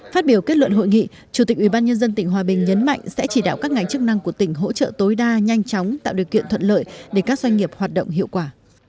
phát biểu kết luận hội nghị chủ tịch ubnd tỉnh hòa bình nhấn mạnh sẽ chỉ đạo các ngành chức năng của tỉnh hỗ trợ tối đa nhanh chóng tạo điều kiện thuận lợi để các doanh nghiệp hoạt động hiệu quả